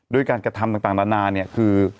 ด้วยการกระทำต่างนานาเนี่ยคือ